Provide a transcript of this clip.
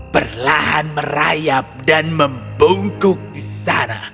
perlahan merayap dan membungkuk di sana